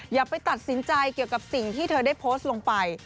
อย่าไปตัดสินใจเกี่ยวกับสิ่งที่เธอได้โพสต์ลงไป